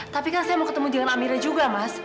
tapi kan saya mau ketemu dengan amira juga mas